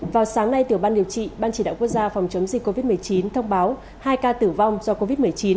vào sáng nay tiểu ban điều trị ban chỉ đạo quốc gia phòng chống dịch covid một mươi chín thông báo hai ca tử vong do covid một mươi chín